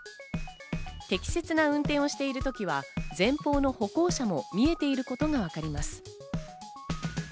適切な運転をしている時は前方の歩行者も見えていることがわかります。